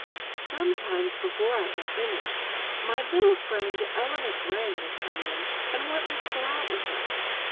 Sometimes, before I have finished, my little friend Eleanor Gray will come in, and want me to go out with her.